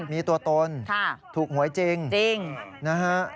มีตัวตนถูกหวยจริงนะฮะแต่ว่าจริง